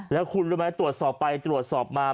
แล้วคุณรู้ไหมตรวจสอบไปตรวจสอบมา